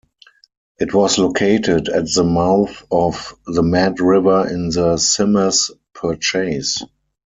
It was located at the mouth of the Mad River in the Symmes Purchase.